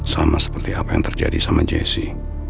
sama seperti apa yang terjadi sama jesse